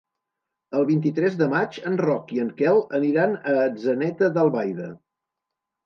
El vint-i-tres de maig en Roc i en Quel aniran a Atzeneta d'Albaida.